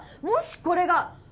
もしこれが」